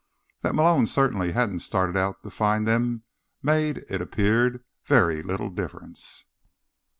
That Malone certainly hadn't started out to find them made, it appeared, very little difference.